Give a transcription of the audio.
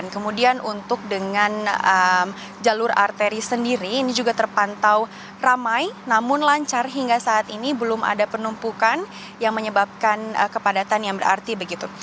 kemudian untuk dengan jalur arteri sendiri ini juga terpantau ramai namun lancar hingga saat ini belum ada penumpukan yang menyebabkan kepadatan yang berarti begitu